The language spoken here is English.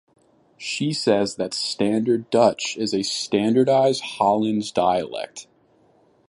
She says that Standard Dutch is a standardized Hollands dialect.